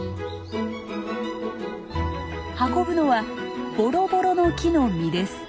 運ぶのはボロボロノキの実です。